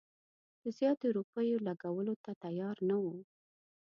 د زیاتو روپیو لګولو ته تیار نه وو.